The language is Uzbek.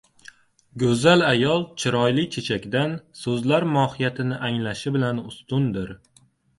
• Go‘zal ayol chiroyli chechakdan so‘zlar mohiyatini anglashi bilan ustundir.